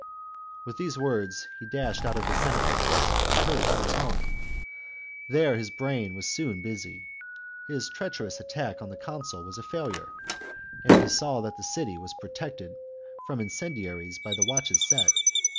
With these words he dashed out of the Senate house and hurried to his home. There his brain was soon busy. His treacherous attack on the consul was a failure, and he saw that the city was protected from incendiaries by the watches set.